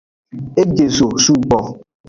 E je zo sugbo.